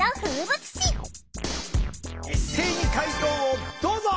一斉に解答をどうぞ！